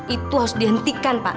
itu harus dihentikan pak